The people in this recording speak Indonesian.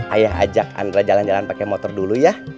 ayah ajak andra jalan jalan pakai motor dulu ya